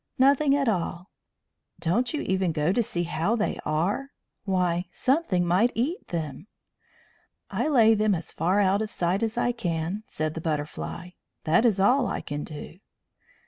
"Nothing at all." "Don't you even go to see how they are? Why, something might eat them!" "I lay them as far out of sight as I can," said the Butterfly. "That is all I can do."